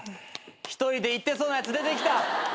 １人で行ってそうなやつ出てきた。